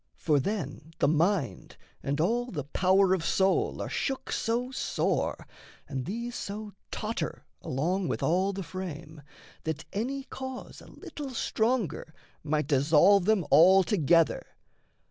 For then the mind And all the power of soul are shook so sore, And these so totter along with all the frame, That any cause a little stronger might Dissolve them altogether.